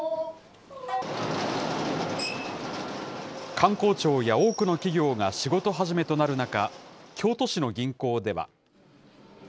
官公庁や多くの企業が仕事始めとなる中、京都市の銀行では。